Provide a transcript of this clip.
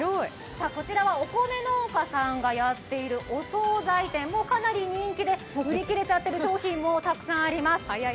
こちらはお米農家さんがやっているお惣菜店、かなり人気で、売り切れちゃってる商品もたくさんあります。